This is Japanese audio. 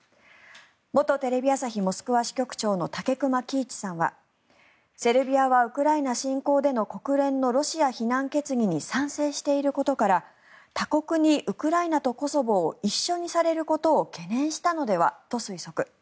元テレビ朝日モスクワ支局長の武隈喜一さんはセルビアはウクライナ侵攻での国連のロシア非難決議に賛成していることから他国にウクライナとコソボを一緒にされることを懸念したのではと推測。